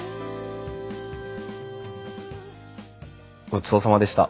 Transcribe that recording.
ごちそうさまでした。